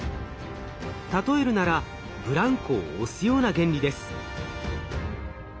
例えるならブランコを押すような原理です。